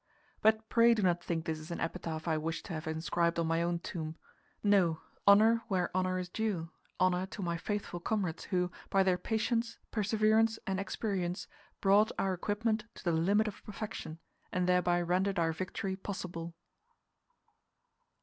But pray do not think this is an epitaph I wish to have inscribed on my own tomb. No; honour where honour is due honour to my faithful comrades, who, by their patience, perseverance and experience, brought our equipment to the limit of perfection, and thereby rendered our victory possible.